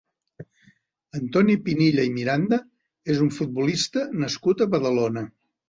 Antoni Pinilla i Miranda és un futbolista nascut a Badalona.